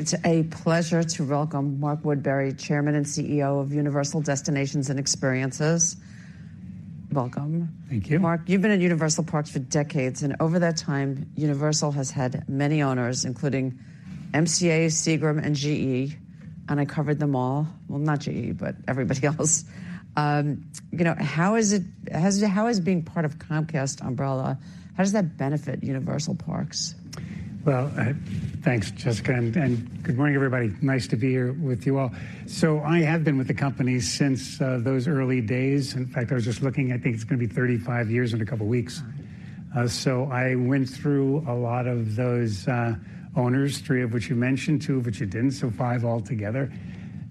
It's a pleasure to welcome Mark Woodbury, Chairman and CEO of Universal Destinations & Experiences. Welcome. Thank you. Mark, you've been at Universal Parks for decades, and over that time, Universal has had many owners, including MCA, Seagram, and GE, and I covered them all. Well, not GE, but everybody else. You know, how is being part of Comcast umbrella, how does that benefit Universal Parks? Well, thanks, Jessica, and good morning, everybody. Nice to be here with you all. So I have been with the company since those early days. In fact, I was just looking, I think it's going to be 35 years in a couple of weeks. Wow! So I went through a lot of those, owners, three of which you mentioned, two of which you didn't, so five altogether.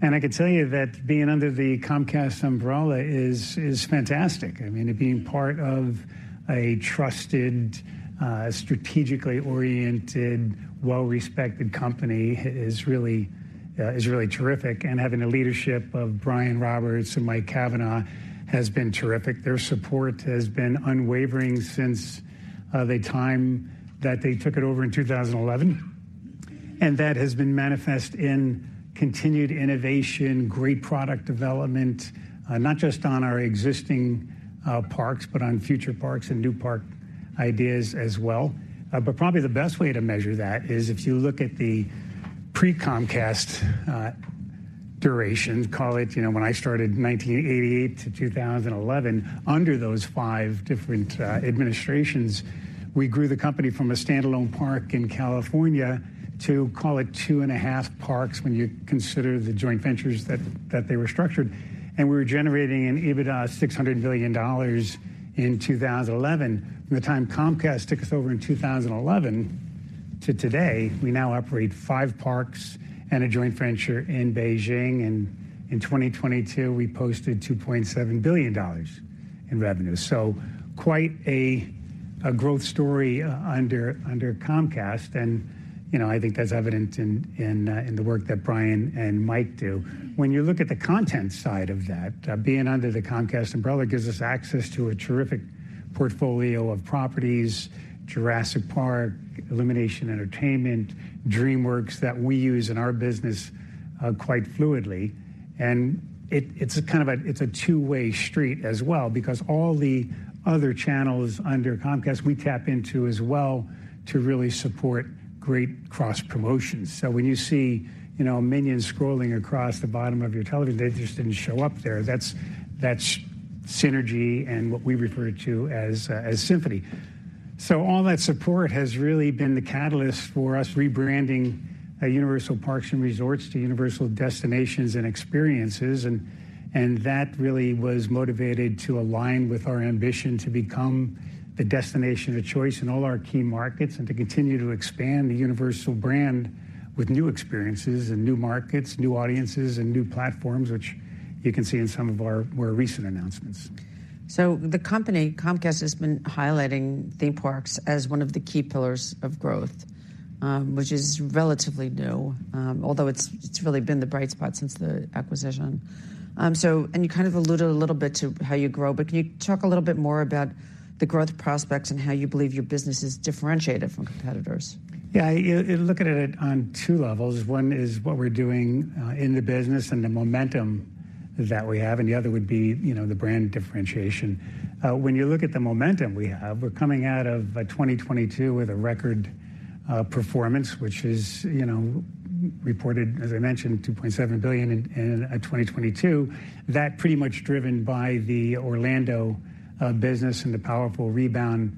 And I can tell you that being under the Comcast umbrella is, is fantastic. I mean, it being part of a trusted, strategically oriented, well-respected company is really, is really terrific, and having the leadership of Brian Roberts and Mike Cavanagh has been terrific. Their support has been unwavering since the time that they took it over in 2011. And that has been manifest in continued innovation, great product development, not just on our existing, parks, but on future parks and new park ideas as well. But probably the best way to measure that is if you look at the pre-Comcast duration, call it, you know, when I started in 1988 to 2011, under those five different administrations, we grew the company from a standalone park in California to call it 2.5 parks, when you consider the joint ventures that, that they were structured. And we were generating an EBITDA of $600,000,000,000 in 2011. From the time Comcast took us over in 2011 to today, we now operate 5 parks and a joint venture in Beijing, and in 2022, we posted $2,700,000,000 in revenue. So quite a growth story under Comcast, and, you know, I think that's evident in the work that Brian and Mike do. When you look at the content side of that, being under the Comcast umbrella gives us access to a terrific portfolio of properties, Jurassic Park, Illumination, DreamWorks, that we use in our business, quite fluidly. And it, it's a two-way street as well, because all the other channels under Comcast, we tap into as well to really support great cross promotions. So when you see, you know, Minions scrolling across the bottom of your television, they just didn't show up there. That's, that's synergy and what we refer to as, as Symphony. All that support has really been the catalyst for us rebranding Universal Parks & Resorts to Universal Destinations & Experiences, and that really was motivated to align with our ambition to become the destination of choice in all our key markets and to continue to expand the Universal brand with new experiences and new markets, new audiences, and new platforms, which you can see in some of our more recent announcements. So the company, Comcast, has been highlighting theme parks as one of the key pillars of growth, which is relatively new, although it's, it's really been the bright spot since the acquisition. So, and you kind of alluded a little bit to how you grow, but can you talk a little bit more about the growth prospects and how you believe your business is differentiated from competitors? Yeah, you look at it on two levels. One is what we're doing in the business and the momentum that we have, and the other would be, you know, the brand differentiation. When you look at the momentum we have, we're coming out of 2022 with a record performance, which is, you know, reported, as I mentioned, $2,700,000,000 in 2022. That pretty much driven by the Orlando business and the powerful rebound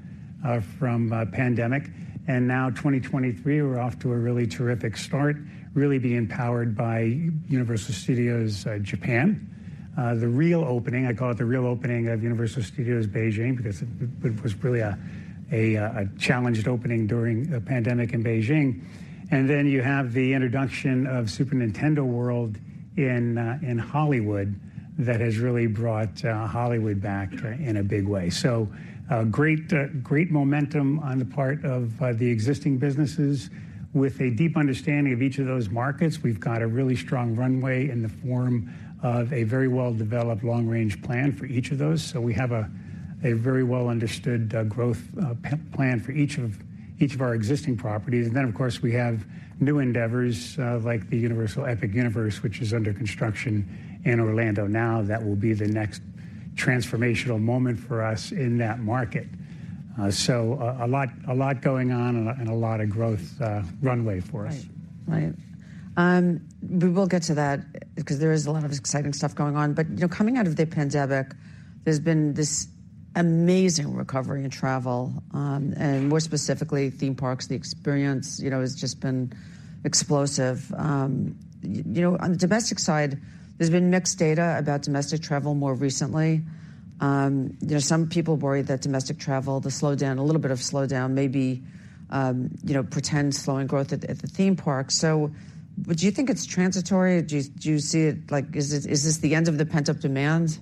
from pandemic. And now 2023, we're off to a really terrific start, really being powered by Universal Studios Japan. The real opening, I call it the real opening of Universal Studios Beijing, because it was really a challenged opening during a pandemic in Beijing. Then you have the introduction of Super Nintendo World in Hollywood, that has really brought Hollywood back in a big way. So, great, great momentum on the part of the existing businesses. With a deep understanding of each of those markets, we've got a really strong runway in the form of a very well-developed long-range plan for each of those. So we have a very well understood growth plan for each of our existing properties. And then, of course, we have new endeavors, like the Universal Epic Universe, which is under construction in Orlando now. That will be the next transformational moment for us in that market. So, a lot, a lot going on and a lot of growth runway for us. Right. We will get to that because there is a lot of exciting stuff going on. But, you know, coming out of the pandemic, there's been this amazing recovery in travel, and more specifically, theme parks. The experience, you know, has just been explosive. You know, on the domestic side, there's been mixed data about domestic travel more recently. There are some people worried that domestic travel, the slowdown, a little bit of slowdown, may be, you know, pretend slowing growth at, at the theme park. So would you think it's transitory, or do you, do you see it like, is this, is this the end of the pent-up demand?...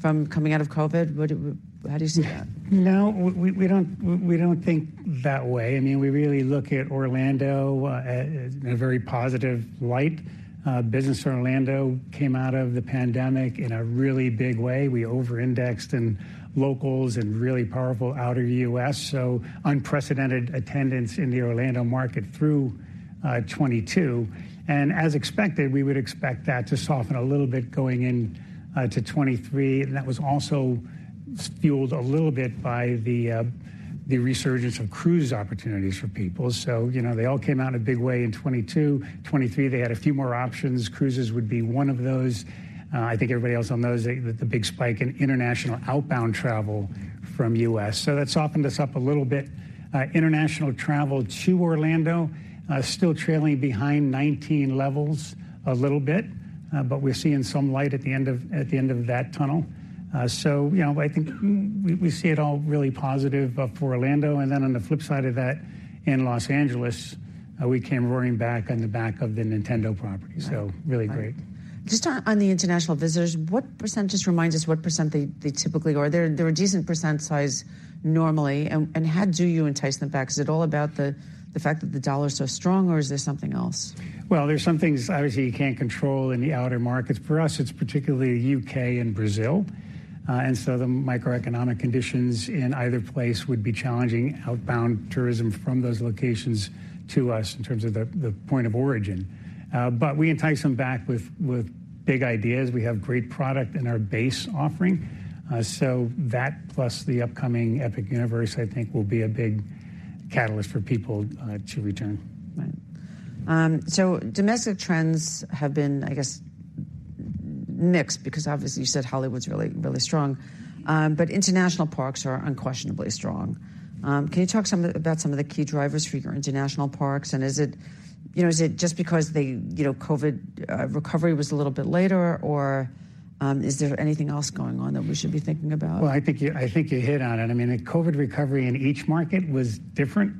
From coming out of COVID? What do, how do you see that? No, we don't think that way. I mean, we really look at Orlando in a very positive light. Business in Orlando came out of the pandemic in a really big way. We over-indexed in locals and really powerful Outer U.S., so unprecedented attendance in the Orlando market through 2022. And as expected, we would expect that to soften a little bit going in to 2023, and that was also fueled a little bit by the resurgence of cruise opportunities for people. So, you know, they all came out a big way in 2022. 2023, they had a few more options. Cruises would be one of those. I think everybody else on those, the big spike in international outbound travel from U.S. So that softened us up a little bit. International travel to Orlando, still trailing behind 2019 levels a little bit, but we're seeing some light at the end of, at the end of that tunnel. So, you know, I think we, we see it all really positive for Orlando. And then on the flip side of that, in Los Angeles, we came roaring back on the back of the Nintendo property. Right. Really great. Just on the international visitors, what percent, just remind us what percent they typically are. They're a decent percent size normally, and how do you entice them back? Is it all about the fact that the US dollar is so strong, or is there something else? Well, there's some things obviously you can't control in the outer markets. For us, it's particularly UK and Brazil. And so the microeconomic conditions in either place would be challenging outbound tourism from those locations to us in terms of the, the point of origin. But we entice them back with, with big ideas. We have great product in our base offering, so that plus the upcoming Epic Universe, I think, will be a big catalyst for people, to return. Right. So domestic trends have been, I guess, mixed, because obviously, you said Hollywood's really, really strong. But international parks are unquestionably strong. Can you talk about some of the key drivers for your international parks, and is it, you know, is it just because the, you know, COVID recovery was a little bit later, or, is there anything else going on that we should be thinking about? Well, I think you, I think you hit on it. I mean, the COVID recovery in each market was different.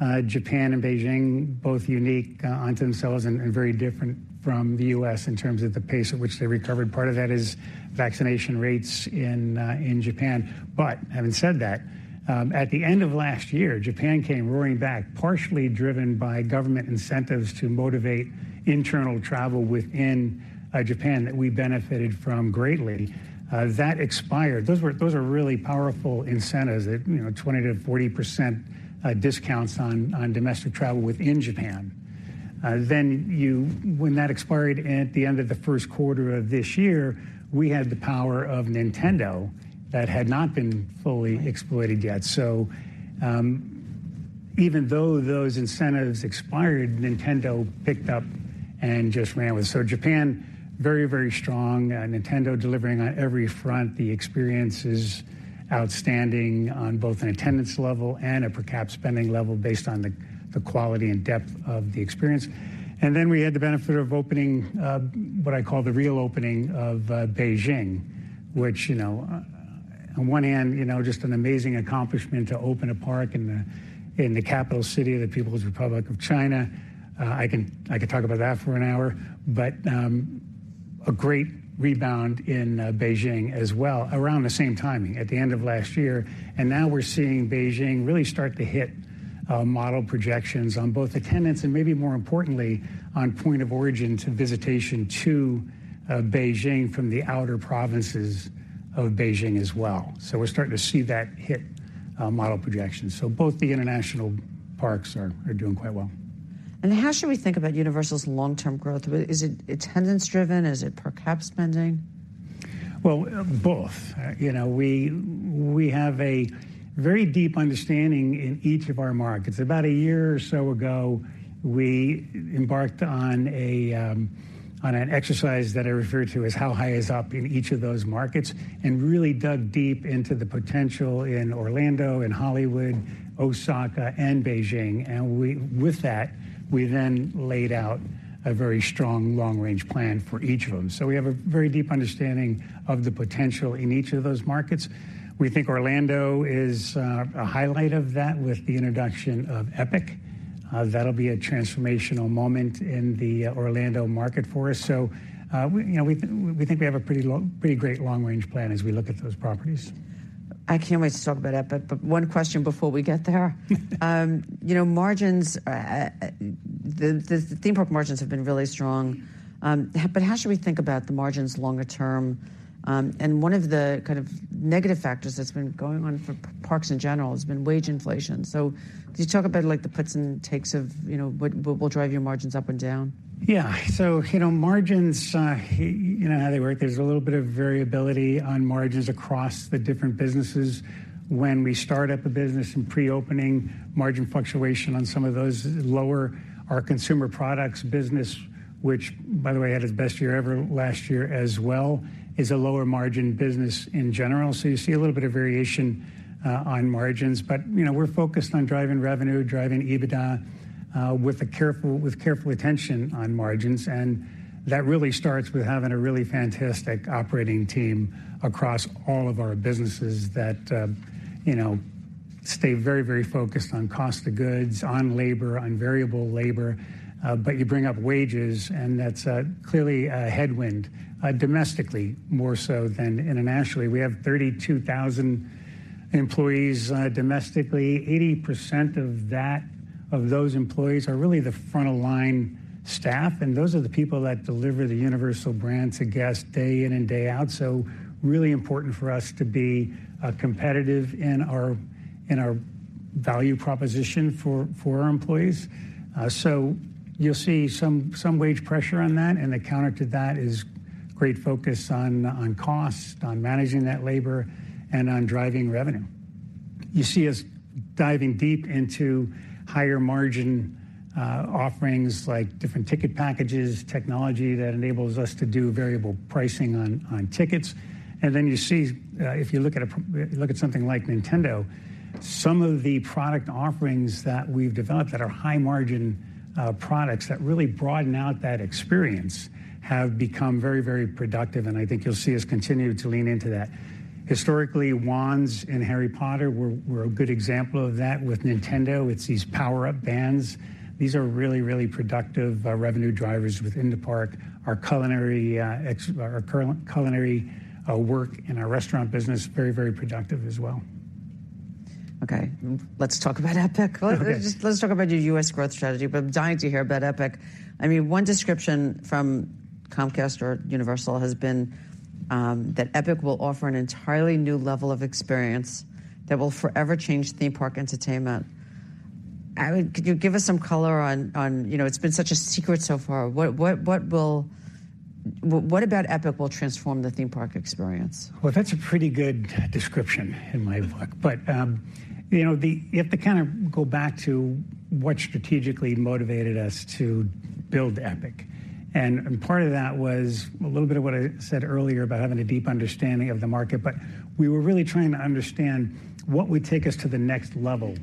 Right. Japan and Beijing, both unique, unto themselves and, and very different from the U.S. in terms of the pace at which they recovered. Part of that is vaccination rates in, in Japan. But having said that, at the end of last year, Japan came roaring back, partially driven by government incentives to motivate internal travel within, Japan that we benefited from greatly. That expired. Those were, those were really powerful incentives, that, you know, 20%-40%, discounts on, on domestic travel within Japan. When that expired at the end of the first quarter of this year, we had the power of Nintendo that had not been- Right. Not fully exploited yet. So, even though those incentives expired, Nintendo picked up and just ran with it. So Japan, very, very strong, Nintendo delivering on every front. The experience is outstanding on both an attendance level and a per cap spending level, based on the quality and depth of the experience. And then we had the benefit of opening what I call the real opening of Beijing, which, you know, on one hand, you know, just an amazing accomplishment to open a park in the capital city of the People's Republic of China. I can, I could talk about that for an hour. But a great rebound in Beijing as well around the same timing, at the end of last year. Now we're seeing Beijing really start to hit model projections on both attendance and, maybe more importantly, on point of origin to visitation to Beijing from the outer provinces of Beijing as well. So we're starting to see that hit model projections. So both the international parks are doing quite well. How should we think about Universal's long-term growth? Is it attendance driven? Is it per cap spending? Well, both. You know, we have a very deep understanding in each of our markets. About a year or so ago, we embarked on an exercise that I refer to as how high is up in each of those markets, and really dug deep into the potential in Orlando, in Hollywood, Osaka, and Beijing. And with that, we then laid out a very strong long-range plan for each of them. So we have a very deep understanding of the potential in each of those markets. We think Orlando is a highlight of that with the introduction of Epic. That'll be a transformational moment in the Orlando market for us. So, you know, we think we have a pretty long-- pretty great long-range plan as we look at those properties. I can't wait to talk about Epic, but one question before we get there. You know, margins, the theme park margins have been really strong, but how should we think about the margins longer term? And one of the kind of negative factors that's been going on for parks in general has been wage inflation. So could you talk about, like, the puts and takes of, you know, what will drive your margins up and down? Yeah. So, you know, margins, you know how they work. There's a little bit of variability on margins across the different businesses. When we start up a business in pre-opening, margin fluctuation on some of those lower our consumer products business, which, by the way, had its best year ever last year as well, is a lower margin business in general. So you see a little bit of variation on margins, but, you know, we're focused on driving revenue, driving EBITDA, with a careful, with careful attention on margins. And that really starts with having a really fantastic operating team across all of our businesses that, you know, stay very, very focused on cost of goods, on labor, on variable labor. But you bring up wages, and that's clearly a headwind, domestically more so than internationally. We have 32,000 employees, domestically. 80% of that, of those employees are really the front-of-line staff, and those are the people that deliver the Universal brand to guests day in and day out. So really important for us to be, competitive in our, in our value proposition for, for our employees. So you'll see some, some wage pressure on that, and the counter to that is great focus on, on cost, on managing that labor, and on driving revenue. You see us diving deep into higher-margin, offerings like different ticket packages, technology that enables us to do variable pricing on, on tickets. Then you see, if you look at something like Nintendo, some of the product offerings that we've developed that are high-margin products that really broaden out that experience, have become very, very productive, and I think you'll see us continue to lean into that. Historically, Wands and Harry Potter were a good example of that. With Nintendo, it's these Power-Up Bands. These are really, really productive revenue drivers within the park. Our current culinary work in our restaurant business, very, very productive as well. Okay, let's talk about Epic. Okay. Let's talk about your U.S. growth strategy, but I'm dying to hear about Epic. I mean, one description from Comcast or Universal has been that Epic will offer an entirely new level of experience that will forever change theme park entertainment. Could you give us some color on... You know, it's been such a secret so far. What about Epic will transform the theme park experience? Well, that's a pretty good description in my book. But you know, you have to kind of go back to what strategically motivated us to build Epic. And part of that was a little bit of what I said earlier about having a deep understanding of the market. But we were really trying to understand what would take us to the next level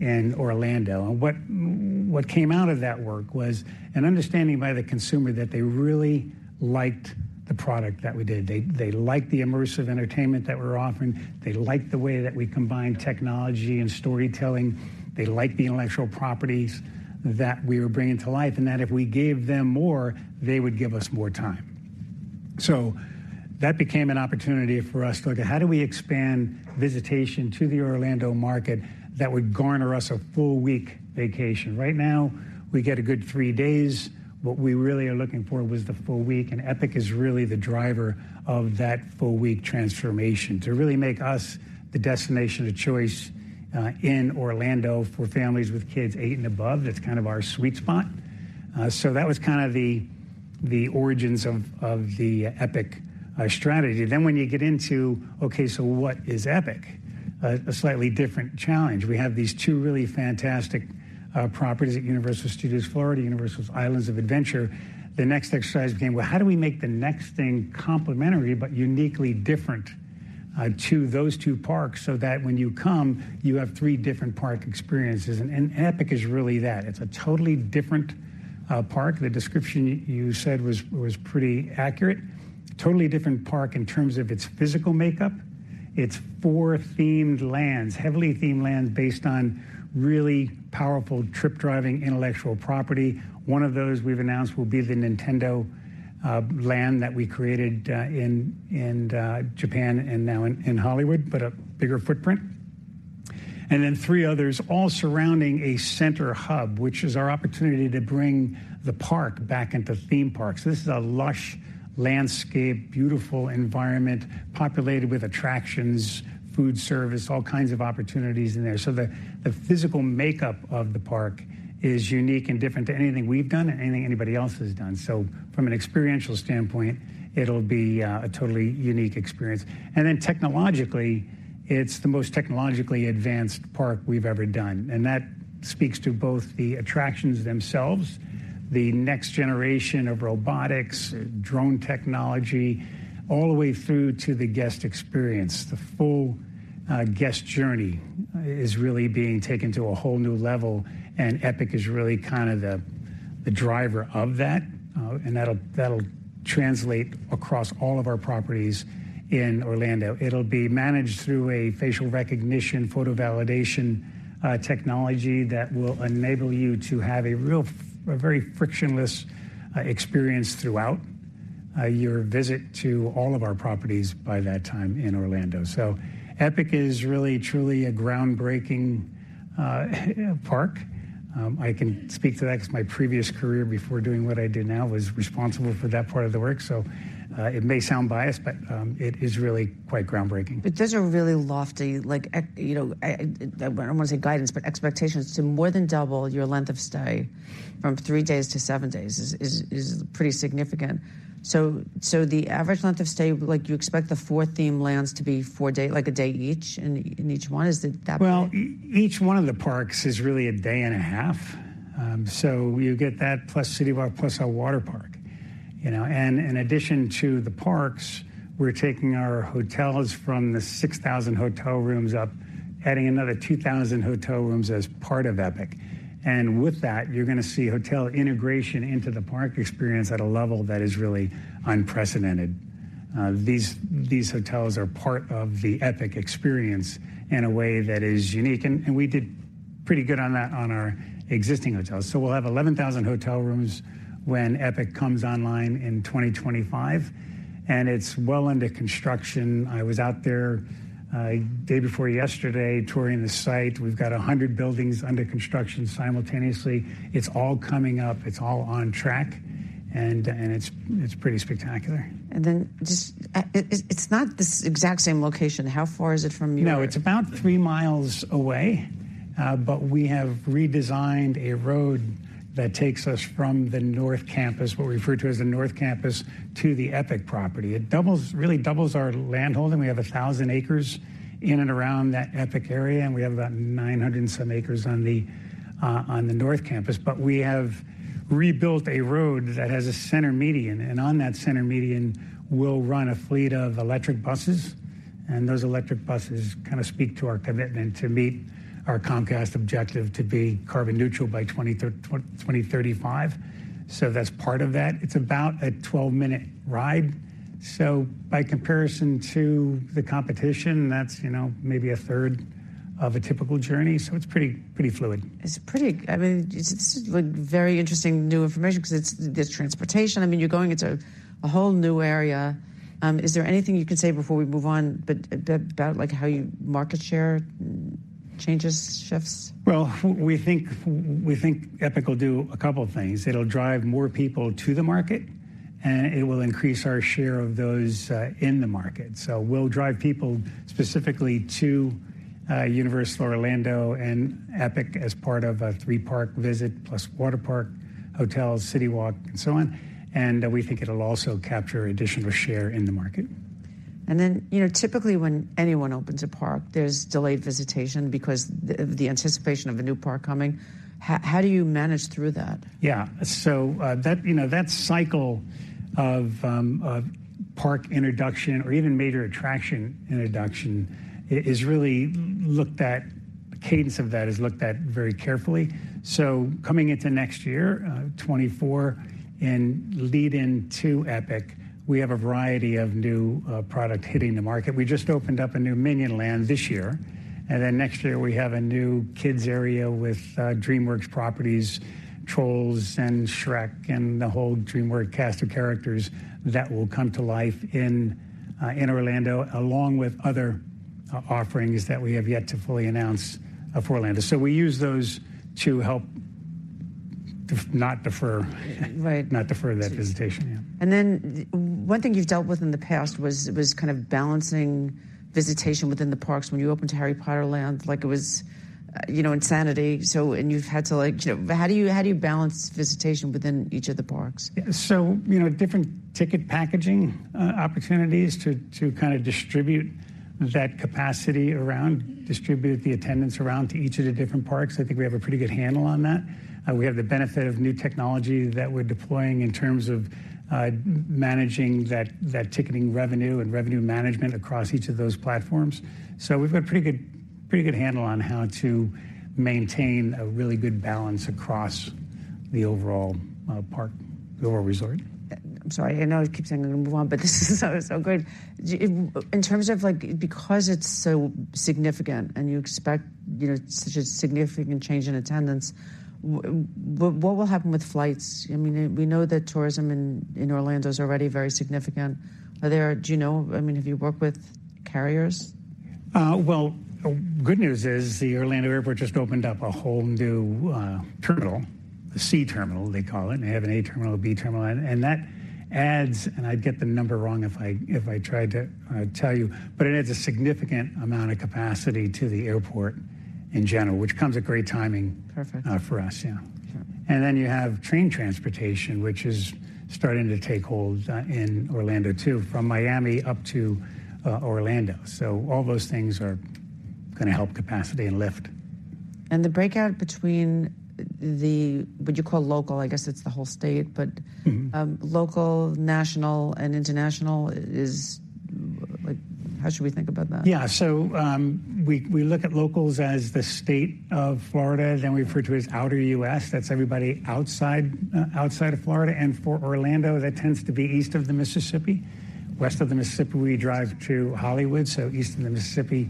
in Orlando, and what came out of that work was an understanding by the consumer that they really liked the product that we did. They liked the immersive entertainment that we're offering. They liked the way that we combined technology and storytelling. They liked the intellectual properties that we were bringing to life, and that if we gave them more, they would give us more time. So that became an opportunity for us to look at how do we expand visitation to the Orlando market that would garner us a full-week vacation? Right now, we get a good 3 days. What we really are looking for was the full week, and Epic is really the driver of that full-week transformation, to really make us the destination of choice in Orlando for families with kids 8 and above. That's kind of our sweet spot. So that was kind of the origins of the Epic strategy. Then when you get into, okay, so what is Epic? A slightly different challenge. We have these two really fantastic properties at Universal Studios Florida, Universal's Islands of Adventure. The next exercise became, well, how do we make the next thing complementary but uniquely different to those two parks, so that when you come, you have three different park experiences? And Epic is really that. It's a totally different park. The description you said was pretty accurate. Totally different park in terms of its physical makeup. It's four themed lands, heavily themed lands, based on really powerful trip driving intellectual property. One of those we've announced will be the Nintendo land that we created in Japan and now in Hollywood, but a bigger footprint. And then three others, all surrounding a center hub, which is our opportunity to bring the park back into theme parks. This is a lush, landscaped, beautiful environment, populated with attractions, food service, all kinds of opportunities in there. So the physical makeup of the park is unique and different to anything we've done and anything anybody else has done. So from an experiential standpoint, it'll be a totally unique experience. And then technologically, it's the most technologically advanced park we've ever done. And that speaks to both the attractions themselves, the next generation of robotics, drone technology, all the way through to the guest experience. The full guest journey is really being taken to a whole new level, and Epic is really kind of the driver of that, and that'll translate across all of our properties in Orlando. It'll be managed through a Facial Recognition/Photo Validation technology that will enable you to have a real, a very frictionless experience throughout your visit to all of our properties by that time in Orlando. So Epic is really, truly a groundbreaking park. I can speak to that because my previous career before doing what I do now was responsible for that part of the work. It may sound biased, but it is really quite groundbreaking. But those are really lofty, like, you know, I don't want to say guidance, but expectations to more than double your length of stay from three days to seven days is pretty significant. So, the average length of stay, like, you expect the four themed lands to be four day—like a day each in each one? Is it that- Well, each one of the parks is really a day and a half. So you get that plus CityWalk, plus our water park. You know, and in addition to the parks, we're taking our hotels from the 6,000 hotel rooms up, adding another 2,000 hotel rooms as part of Epic. And with that, you're gonna see hotel integration into the park experience at a level that is really unprecedented. These hotels are part of the Epic experience in a way that is unique. And we did pretty good on that on our existing hotels. So we'll have 11,000 hotel rooms when Epic comes online in 2025, and it's well under construction. I was out there day before yesterday, touring the site. We've got 100 buildings under construction simultaneously. It's all coming up. It's all on track, and it's pretty spectacular. And then just, it's not the exact same location. How far is it from your- No, it's about 3 miles away, but we have redesigned a road that takes us from the north campus, what we refer to as the north campus, to the Epic property. It doubles, really doubles our land holding. We have 1,000 acres in and around that Epic area, and we have about 900 and some acres on the, on the north campus. But we have rebuilt a road that has a center median, and on that center median, we'll run a fleet of electric buses, and those electric buses kinda speak to our commitment to meet our Comcast objective to be carbon neutral by 2035. So that's part of that. It's about a 12-minute ride. So by comparison to the competition, that's, you know, maybe a third of a typical journey, so it's pretty, pretty fluid. It's pretty... I mean, it's, this is like very interesting new information because it's, there's transportation. I mean, you're going into a whole new area. Is there anything you can say before we move on, but that, that, like, how you... market share changes, shifts? Well, we think, we think Epic will do a couple of things. It'll drive more people to the market, and it will increase our share of those in the market. So we'll drive people specifically to Universal Orlando and Epic as part of a three-park visit, plus water park, hotels, CityWalk, and so on. And we think it'll also capture additional share in the market. And then, you know, typically when anyone opens a park, there's delayed visitation because the anticipation of a new park coming. How do you manage through that? Yeah. So, that, you know, that cycle of, of park introduction or even major attraction introduction is really looked at, the cadence of that is looked at very carefully. So coming into next year, 2024 and lead into Epic, we have a variety of new product hitting the market. We just opened up a new Minion Land this year, and then next year we have a new kids area with DreamWorks properties, Trolls and Shrek, and the whole DreamWorks cast of characters that will come to life in Orlando, along with other offerings that we have yet to fully announce for Orlando. So we use those to help to not defer- Right. Not defer that visitation, yeah. And then one thing you've dealt with in the past was kind of balancing visitation within the parks. When you opened Harry Potter Land, like it was, you know, insanity. So, and you've had to like... How do you, how do you balance visitation within each of the parks? So, you know, different ticket packaging, opportunities to kinda distribute that capacity around, distribute the attendance around to each of the different parks. I think we have a pretty good handle on that. We have the benefit of new technology that we're deploying in terms of managing that ticketing revenue and revenue management across each of those platforms. So we've got a pretty good, pretty good handle on how to maintain a really good balance across the overall park, the whole resort. I'm sorry. I know I keep saying I'm going to move on, but this is so, so good. In terms of like... Because it's so significant and you expect, you know, such a significant change in attendance, what will happen with flights? I mean, we know that tourism in Orlando is already very significant. Do you know, I mean, have you worked with carriers? Well, good news is, the Orlando Airport just opened up a whole new terminal, the C terminal, they call it. They have an A terminal, a B terminal, and that adds, and I'd get the number wrong if I, if I tried to tell you, but it adds a significant amount of capacity to the airport in general, which comes at great timing- Perfect. for us. Yeah. Sure. And then you have train transportation, which is starting to take hold, in Orlando, too, from Miami up to, Orlando. So all those things are gonna help capacity and lift. The breakout between the, what you call local, I guess it's the whole state, but- Mm-hmm. local, national, and international is like... How should we think about that? Yeah. So, we look at locals as the state of Florida, then we refer to as outer U.S. That's everybody outside, outside of Florida. And for Orlando, that tends to be east of the Mississippi. West of the Mississippi, we drive to Hollywood, so east of the Mississippi,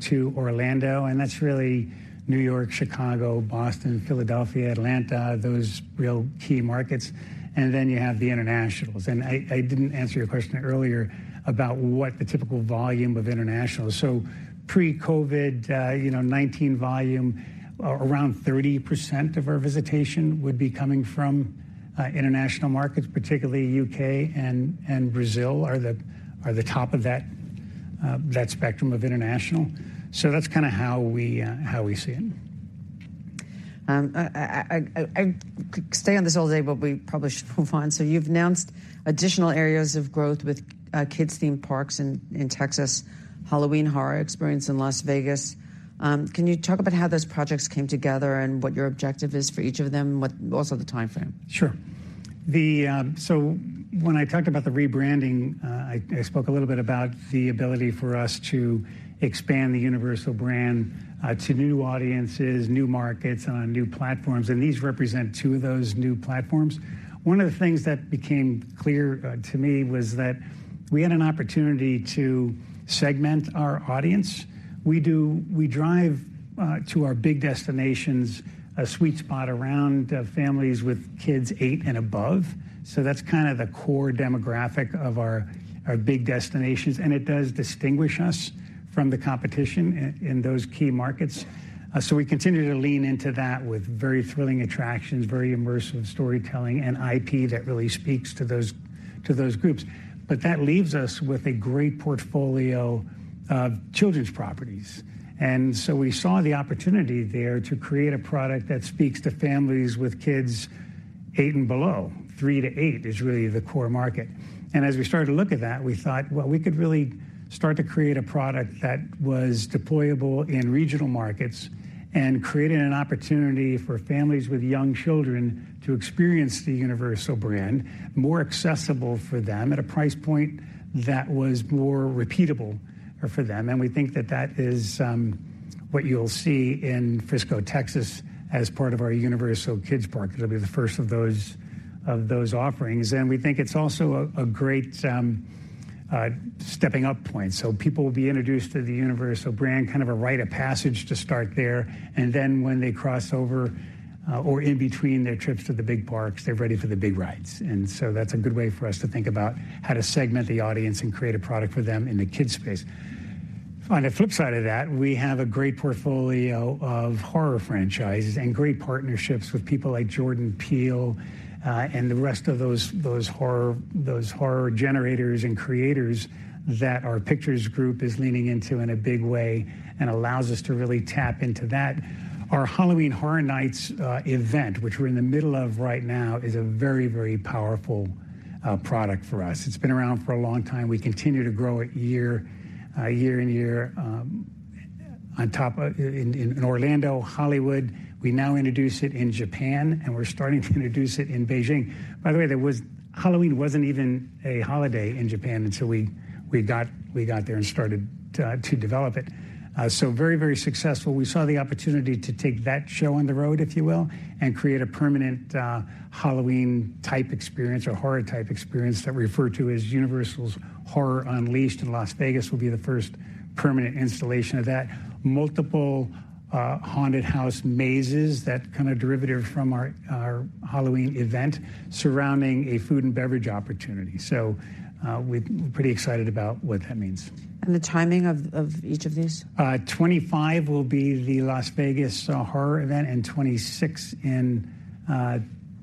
to Orlando, and that's really New York, Chicago, Boston, Philadelphia, Atlanta, those real key markets. And then you have the internationals. And I didn't answer your question earlier about what the typical volume of international. So pre-COVID, 2019 volume, around 30% of our visitation would be coming from, international markets, particularly U.K. and Brazil are the top of that spectrum of international. So that's kinda how we see it. I could stay on this all day, but we probably should move on. So you've announced additional areas of growth with kids' theme parks in Texas, Halloween Horror experience in Las Vegas. Can you talk about how those projects came together and what your objective is for each of them, also the timeframe? Sure. So when I talked about the rebranding, I spoke a little bit about the ability for us to expand the Universal brand to new audiences, new markets, and on new platforms, and these represent 2 of those new platforms. One of the things that became clear to me was that we had an opportunity to segment our audience. We drive to our big destinations, a sweet spot around families with kids 8 and above. So that's kind of the core demographic of our big destinations, and it does distinguish us from the competition in those key markets. So we continue to lean into that with very thrilling attractions, very immersive storytelling, and IP that really speaks to those, to those groups. But that leaves us with a great portfolio of children's properties. So we saw the opportunity there to create a product that speaks to families with kids 8 and below. 3-8 is really the core market. As we started to look at that, we thought, well, we could really start to create a product that was deployable in regional markets and created an opportunity for families with young children to experience the Universal brand, more accessible for them at a price point that was more repeatable for them. We think that that is what you'll see in Frisco, Texas, as part of our Universal Kids Resort. It'll be the first of those offerings, and we think it's also a great stepping up point. So people will be introduced to the Universal brand, kind of a rite of passage to start there, and then when they cross over, or in between their trips to the big parks, they're ready for the big rides. And so that's a good way for us to think about how to segment the audience and create a product for them in the kids space. On the flip side of that, we have a great portfolio of horror franchises and great partnerships with people like Jordan Peele, and the rest of those horror generators and creators that our pictures group is leaning into in a big way and allows us to really tap into that. Our Halloween Horror Nights event, which we're in the middle of right now, is a very, very powerful product for us. It's been around for a long time. We continue to grow it year, year and year, on top of in, in Orlando, Hollywood. We now introduce it in Japan, and we're starting to introduce it in Beijing. By the way, there was Halloween wasn't even a holiday in Japan until we got there and started to develop it. So very, very successful. We saw the opportunity to take that show on the road, if you will, and create a permanent Halloween-type experience or horror-type experience that we refer to as Universal Horror Unleashed, and Las Vegas will be the first permanent installation of that. Multiple haunted house mazes, that kind of derivative from our Halloween event, surrounding a food and beverage opportunity. So, we're pretty excited about what that means. The timing of each of these? 2025 will be the Las Vegas horror event, and 2026 in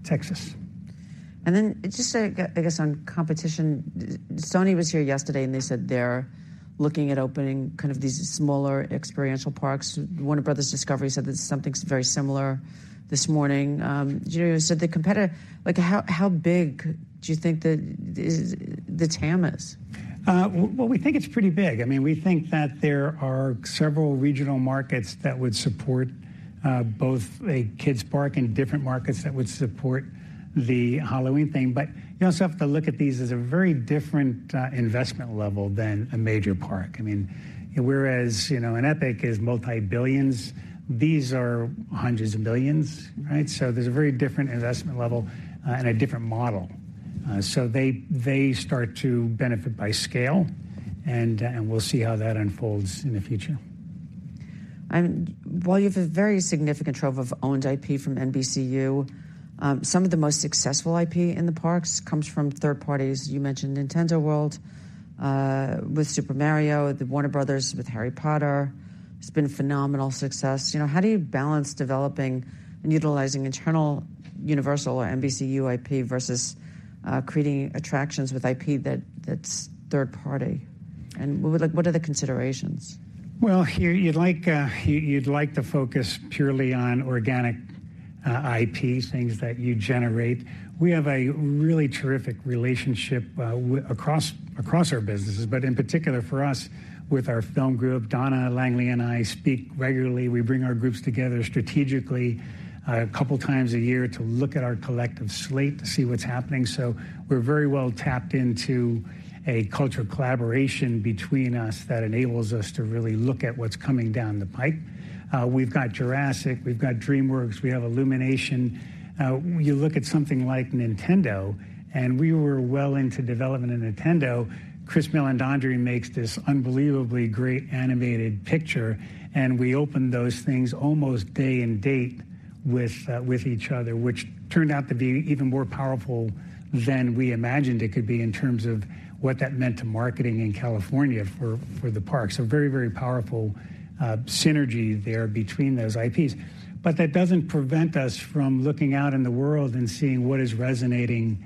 Texas. Then just, I guess on competition, Sony was here yesterday, and they said they're looking at opening kind of these smaller experiential parks. Warner Bros. Discovery said that something very similar this morning. So the competition like, how big do you think the TAM is? Well, we think it's pretty big. I mean, we think that there are several regional markets that would support both a kids park and different markets that would support the Halloween theme. But you also have to look at these as a very different investment level than a major park. I mean, whereas, you know, an epic is multi-billions, these are hundreds of millions, right? So there's a very different investment level and a different model. So they, they start to benefit by scale, and and we'll see how that unfolds in the future. And while you have a very significant trove of owned IP from NBCU, some of the most successful IP in the parks comes from third parties. You mentioned Nintendo World with Super Mario, the Warner Bros. with Harry Potter. It's been a phenomenal success. You know, how do you balance developing and utilizing internal Universal or NBCU IP versus creating attractions with IP that's third party? And like, what are the considerations? Well, here you'd like, you'd like to focus purely on organic, IP, things that you generate. We have a really terrific relationship w-- across, across our businesses, but in particular for us, with our film group. Donna Langley and I speak regularly. We bring our groups together strategically, a couple of times a year to look at our collective slate to see what's happening. So we're very well tapped into a culture of collaboration between us that enables us to really look at what's coming down the pipe. We've got Jurassic, we've got DreamWorks, we have Illumination. You look at something like Nintendo, and we were well into development in Nintendo. Chris Meledandri makes this unbelievably great animated picture, and we opened those things almost day and date with with each other, which turned out to be even more powerful than we imagined it could be in terms of what that meant to marketing in California for for the parks. So very, very powerful synergy there between those IPs. But that doesn't prevent us from looking out in the world and seeing what is resonating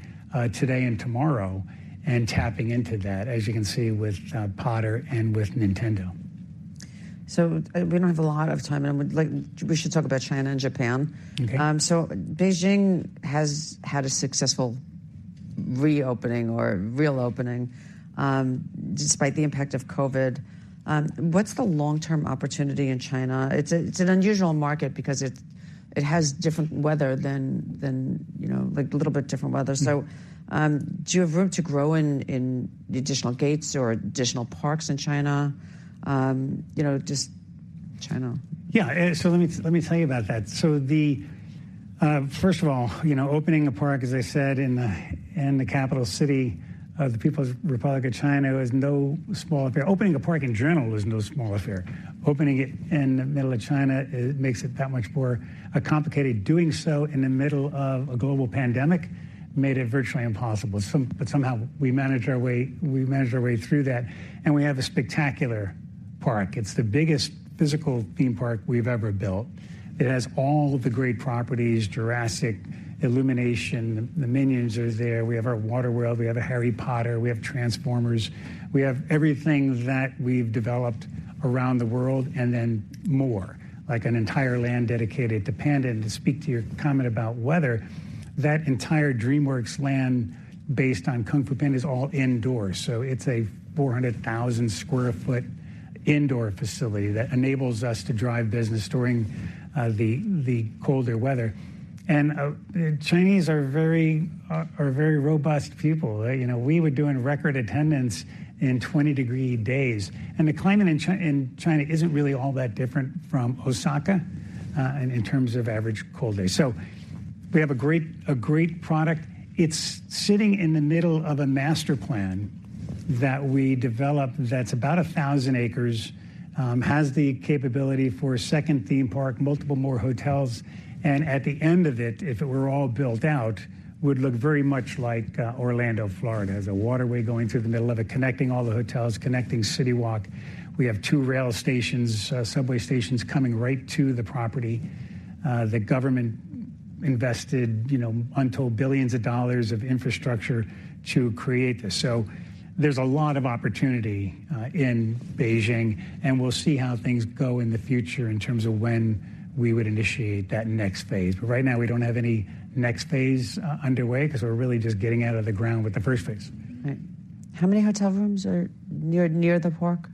today and tomorrow and tapping into that, as you can see with Potter and with Nintendo. We don't have a lot of time, and I would like... We should talk about China and Japan. Okay. So Beijing has had a successful reopening or real opening despite the impact of COVID. What's the long-term opportunity in China? It's an unusual market because it has different weather than you know like a little bit different weather. Mm. So, do you have room to grow in the additional gates or additional parks in China? You know, just China. Yeah. So let me tell you about that. So the first of all, you know, opening a park, as I said, in the capital city of the People's Republic of China is no small affair. Opening a park in general is no small affair. Opening it in the middle of China, it makes it that much more complicated. Doing so in the middle of a global pandemic made it virtually impossible. But somehow we managed our way, we managed our way through that, and we have a spectacular park. It's the biggest physical theme park we've ever built. It has all the great properties, Jurassic, Illumination, the Minions are there. We have our WaterWorld, we have a Harry Potter, we have Transformers. We have everything that we've developed around the world, and then more, like an entire land dedicated to Panda. To speak to your comment about weather, that entire DreamWorks land based on Kung Fu Panda is all indoors, so it's a 400,000 sq ft indoor facility that enables us to drive business during the colder weather. And the Chinese are very robust people. You know, we were doing record attendance in 20-degree days, and the climate in China isn't really all that different from Osaka in terms of average cold days. So we have a great product. It's sitting in the middle of a master plan that we developed that's about 1,000 acres, has the capability for a second theme park, multiple more hotels. And at the end of it, if it were all built out, would look very much like Orlando, Florida. It has a waterway going through the middle of it, connecting all the hotels, connecting CityWalk. We have two rail stations, subway stations coming right to the property. The government invested, you know, untold billions of dollars of infrastructure to create this. So there's a lot of opportunity, in Beijing, and we'll see how things go in the future in terms of when we would initiate that next phase. But right now, we don't have any next phase underway because we're really just getting out of the ground with the first phase. Right. How many hotel rooms are near the park?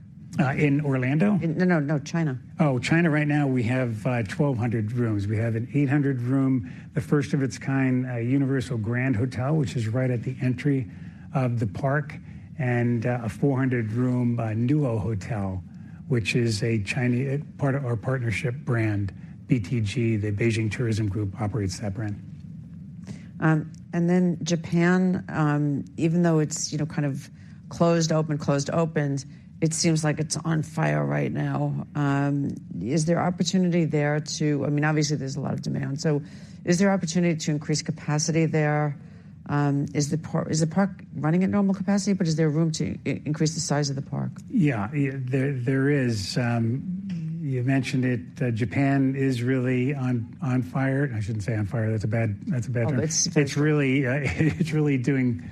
in Orlando? No, no, no, China. Oh, China right now we have 1,200 rooms. We have an 800-room, the first of its kind, Universal Grand Hotel, which is right at the entry of the park, and a 400-room Nuo Hotel, which is a Chinese... part of our partnership brand, BTG, the Beijing Tourism Group, operates that brand. And then Japan, even though it's, you know, kind of closed, open, closed, opened, it seems like it's on fire right now. Is there opportunity there to... I mean, obviously, there's a lot of demand. So is there opportunity to increase capacity there? Is the park running at normal capacity, but is there room to increase the size of the park? Yeah, there is. You mentioned it, Japan is really on fire. I shouldn't say on fire. That's a bad term. Oh, it's- It's really, it's really doing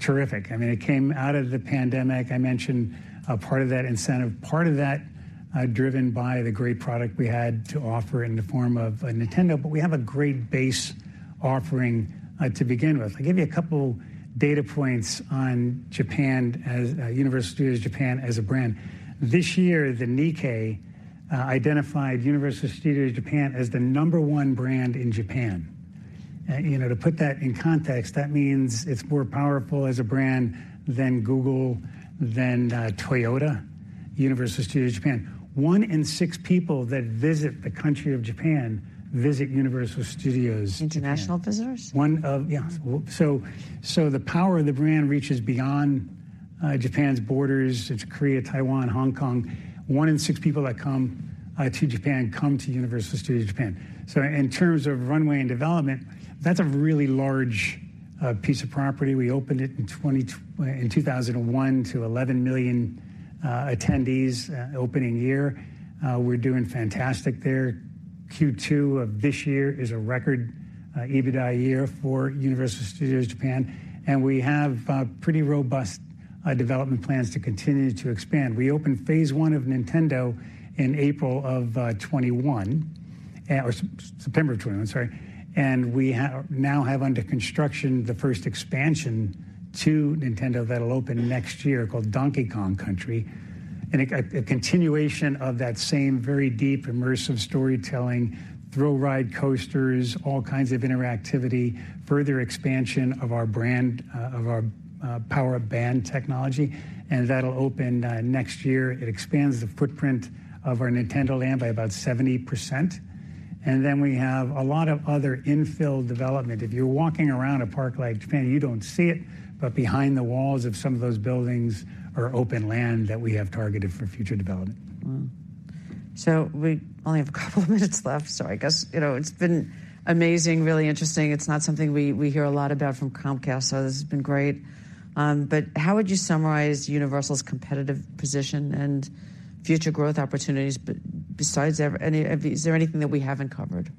terrific. I mean, it came out of the pandemic. I mentioned a part of that incentive, part of that, driven by the great product we had to offer in the form of a Nintendo, but we have a great base offering to begin with. I'll give you a couple data points on Japan as Universal Studios Japan as a brand. This year, the Nikkei identified Universal Studios Japan as the number one brand in Japan. You know, to put that in context, that means it's more powerful as a brand than Google, than Toyota, Universal Studios Japan. One in six people that visit the country of Japan visit Universal Studios Japan. International visitors? Yeah. So, so the power of the brand reaches beyond Japan's borders to Korea, Taiwan, Hong Kong. One in six people that come to Japan come to Universal Studios Japan. So in terms of runway and development, that's a really large piece of property. We opened it in 2001 to 11,000,000 attendees opening year. We're doing fantastic there. Q2 of this year is a record EBITDA year for Universal Studios Japan, and we have pretty robust development plans to continue to expand. We opened phase one of Nintendo in April of 2021 or September of 2021, sorry, and we now have under construction the first expansion to Nintendo that'll open next year, called Donkey Kong Country. And a continuation of that same very deep, immersive storytelling, thrill ride coasters, all kinds of interactivity, further expansion of our brand, of our Power-Up Band technology, and that'll open next year. It expands the footprint of our Nintendo land by about 70%. And then we have a lot of other infill development. If you're walking around a park like Japan, you don't see it, but behind the walls of some of those buildings are open land that we have targeted for future development. Wow! So we only have a couple of minutes left, so I guess, you know, it's been amazing, really interesting. It's not something we hear a lot about from Comcast, so this has been great. But how would you summarize Universal's competitive position and future growth opportunities? But besides any, is there anything that we haven't covered?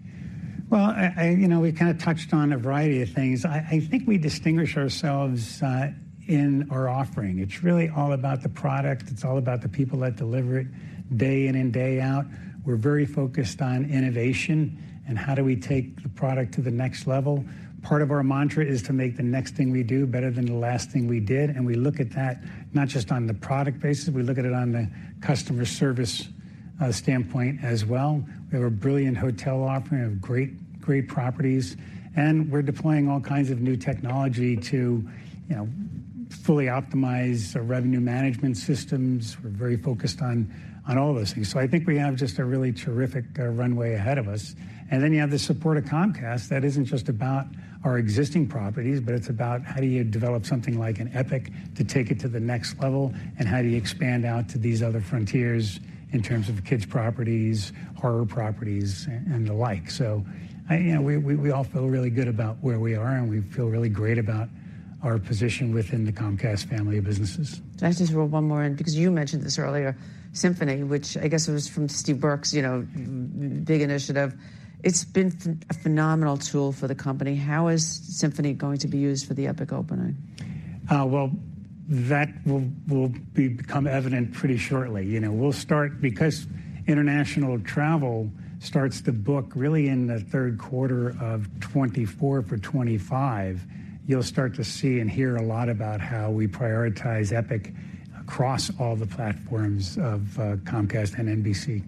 Well, you know, we kind of touched on a variety of things. I think we distinguish ourselves in our offering. It's really all about the product. It's all about the people that deliver it, day in and day out. We're very focused on innovation and how do we take the product to the next level. Part of our mantra is to make the next thing we do better than the last thing we did, and we look at that not just on the product basis, we look at it on the customer service standpoint as well. We have a brilliant hotel offering. We have great, great properties, and we're deploying all kinds of new technology to, you know, fully optimize our revenue management systems. We're very focused on all those things. So I think we have just a really terrific runway ahead of us. And then you have the support of Comcast that isn't just about our existing properties, but it's about how do you develop something like an Epic to take it to the next level, and how do you expand out to these other frontiers in terms of kids properties, horror properties, and the like. So, you know, we, we, we all feel really good about where we are, and we feel really great about our position within the Comcast family of businesses. Can I just throw one more in? Because you mentioned this earlier, Symphony, which I guess was from Steve Burke's, you know, big initiative. It's been a phenomenal tool for the company. How is Symphony going to be used for the Epic opening? Well, that will become evident pretty shortly. You know, we'll start... Because international travel starts to book really in the third quarter of 2024 for 2025, you'll start to see and hear a lot about how we prioritize Epic across all the platforms of Comcast and NBC.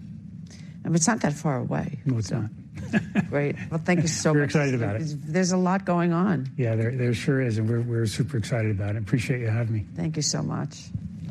It's not that far away. No, it's not. Great. Well, thank you so much. We're excited about it. There's a lot going on. Yeah, there sure is, and we're super excited about it. Appreciate you having me. Thank you so much.